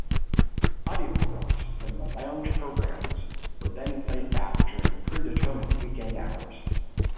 Audio clips from the Lounge programs were then played back during predetermined weekend hours.